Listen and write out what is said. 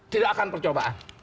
tidak akan percobaan